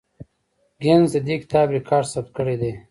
ګینس د دې کتاب ریکارډ ثبت کړی دی.